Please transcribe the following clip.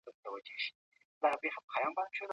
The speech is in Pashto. پښتنو هڅو ډېره ښه نتيجه ورکړې ده، چي د ښاري او